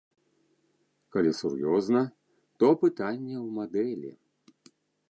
Калі сур'ёзна, то пытанне ў мадэлі.